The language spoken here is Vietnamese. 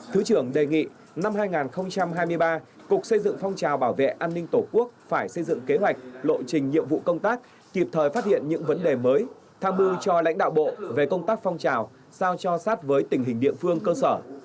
thứ trưởng đề nghị năm hai nghìn hai mươi ba cục xây dựng phong trào bảo vệ an ninh tổ quốc phải xây dựng kế hoạch lộ trình nhiệm vụ công tác kịp thời phát hiện những vấn đề mới tham mưu cho lãnh đạo bộ về công tác phong trào sao cho sát với tình hình địa phương cơ sở